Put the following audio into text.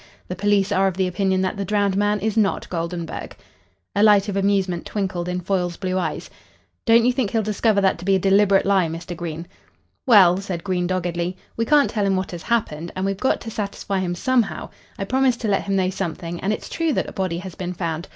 The police are of the opinion that the drowned man is not Goldenburg." A light of amusement twinkled in Foyle's blue eyes. "Don't you think he'll discover that to be a deliberate lie, Mr. Green?" "Well," said Green doggedly, "we can't tell him what has happened, and we've got to satisfy him somehow. I promised to let him know something, and it's true that a body has been found.